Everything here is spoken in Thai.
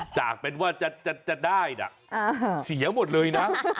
จากเป็นว่าจะได้นะเสียหมดเลยนะ